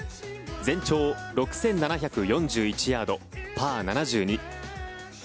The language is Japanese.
全長６７４１ヤードパー７２。